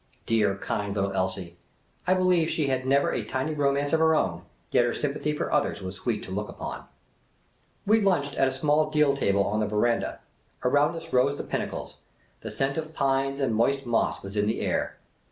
Dear, kind little Elsie ! I believe she had never a tiny romance of her own ; yet her sympathy for others was sweet to look upon. We lunched at a small deal table on the veranda. Around us rose the pinnacles. The scent of pines and moist moss was in the air.